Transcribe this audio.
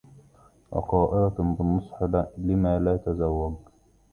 وقائلة بالنصح لم لا تزوج